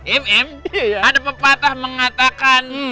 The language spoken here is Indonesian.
im im ada pepatah mengatakan